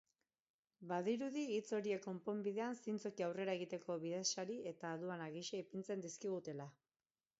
Badirudi hitz horiek konponbidean zintzoki aurrera egiteko bidesari eta aduana gisa ipintzen dizkigutela.